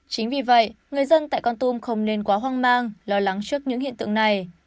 chính vì vậy người dân tại con tum không nên quá hoang mang lo lắng trước những hiện tượng này